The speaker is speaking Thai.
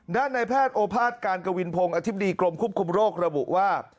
ด้านในแพทย์โอภาษย์การกวินพงศ์อธิบดีกรมควบคุมโรคระบุว่า